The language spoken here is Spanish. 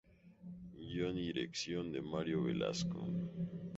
Guion y dirección de Mario Velasco.